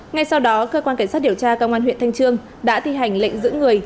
ngay sau đó cơ quan cảnh sát điều tra công an huyện thanh trương đã thi hành lệnh giữ người